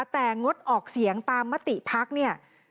แต่งดออกเสียงตามมติภักดิ์เนี่ย